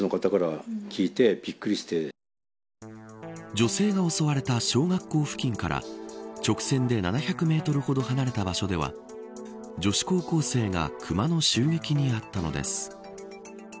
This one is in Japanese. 女性が襲われた小学校付近から直線で７００メートルほど離れた場所では女子高校生がクマの襲撃にあったのです。